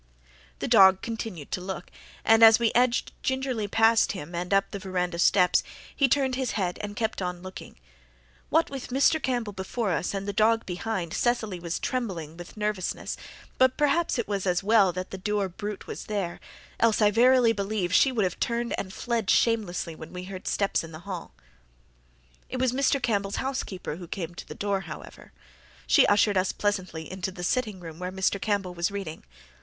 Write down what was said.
The dog continued to look, and, as we edged gingerly past him and up the veranda steps, he turned his head and kept on looking. What with Mr. Campbell before us and the dog behind, Cecily was trembling with nervousness; but perhaps it was as well that the dour brute was there, else I verily believe she would have turned and fled shamelessly when we heard steps in the hall. It was Mr. Campbell's housekeeper who came to the door, however; she ushered us pleasantly into the sitting room where Mr. Campbell was reading.